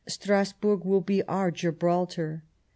Stras burg will be our Gibraltar.